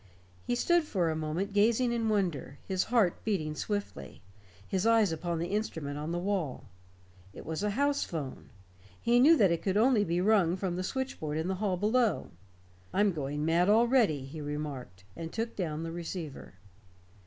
He stood for a moment gazing in wonder, his heart beating swiftly, his eyes upon the instrument on the wall. It was a house phone; he knew that it could only be rung from the switchboard in the hall below. "I'm going mad already," he remarked, and took down the receiver.